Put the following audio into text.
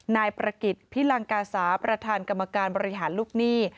นายประกิจพิลังกาสาประธานกรรมการบริหารลูกหนี้